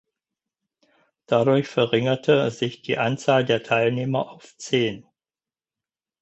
Dadurch verringerte sich die Anzahl der Teilnehmer auf zehn.